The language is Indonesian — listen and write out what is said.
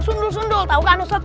sundul sundul tau kan ustaz